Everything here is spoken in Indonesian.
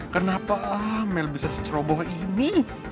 kenapa amel bisa seceroboh ini